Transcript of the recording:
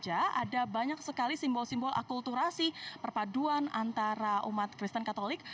ada banyak sekali simbol simbol akulturasi perpaduan antara umat kristen katolik